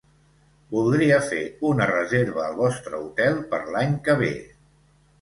Voldria fer una reserva al vostre hotel per l'any que ve.